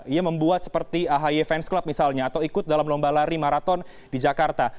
ia membuat seperti ahy fans club misalnya atau ikut dalam lomba lari maraton di jakarta